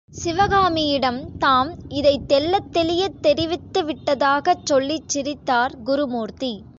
சிவகாமியிடம் தாம் இதைத் தெள்ளத் தெளியத் தெரிவித்து விட்டதாகச் சொல்லிச் சிரித்தார் குருமூர்த்தி.